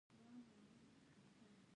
د بریښنايي بسونو پروژه څه شوه؟